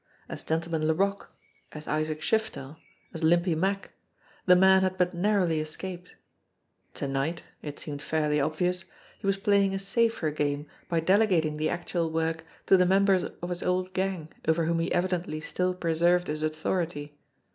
As Gentleman Laroque, as Isaac Shiftel, as Limpy Mack, the man had but narrowly escaped ; to night, it seemed fairly obvious, he was playing a safer game by delegating the actual work to the members of his old gang over whom he evidently still pre served his authority.